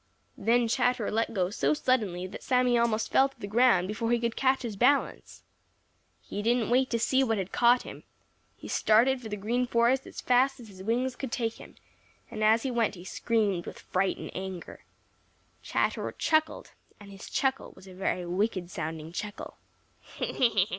Then Chatterer let go so suddenly that Sammy almost fell to the ground before he could catch his balance. He didn't wait to see what had caught him. He started for the Green Forest as fast as his wings could take him, and as he went he screamed with fright and anger. Chatterer chuckled, and his chuckle was a very wicked sounding chuckle.